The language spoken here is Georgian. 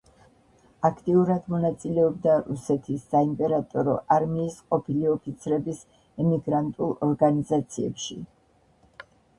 აქტიურად მონაწილეობდა რუსეთის საიმპერატორო არმიის ყოფილი ოფიცრების ემიგრანტულ ორგანიზაციებში.